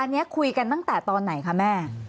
อันนี้คุยกันตั้งแต่ตอนไหนคะแม่